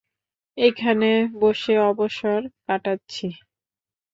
এখানে ব্যস অবসর কাটাচ্ছি।